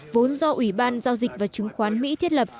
vốn do ủy ban giao dịch và chứng khoán mỹ thiết lập